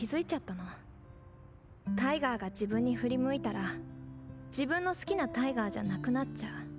タイガーが自分に振り向いたら自分の好きなタイガーじゃなくなっちゃう。